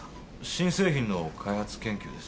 新製品の開発研究です。